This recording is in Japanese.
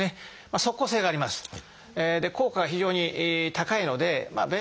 即効性があります。